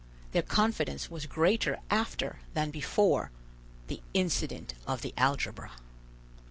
Their confidence was greater after than before "the incident of the algebra."